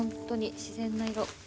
自然な色。